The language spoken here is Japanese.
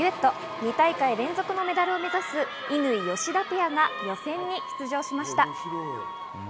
２大会連続のメダルを目指す乾・吉田ペアが予選に出場しました。